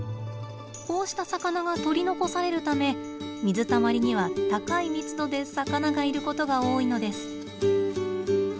こうした魚が取り残されるため水たまりには高い密度で魚がいることが多いのです。